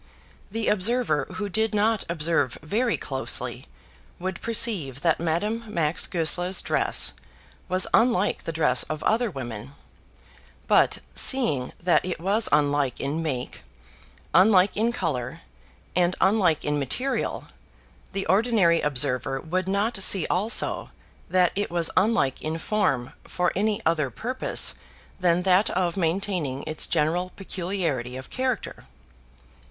The observer who did not observe very closely would perceive that Madame Max Goesler's dress was unlike the dress of other women, but seeing that it was unlike in make, unlike in colour, and unlike in material, the ordinary observer would not see also that it was unlike in form for any other purpose than that of maintaining its general peculiarity of character.